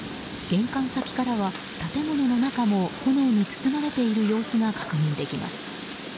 玄関先からは建物の中も炎に包まれている様子が確認できます。